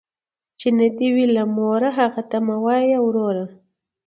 ـ چې نه دې وي، د موره هغه ته مه وايه وروره.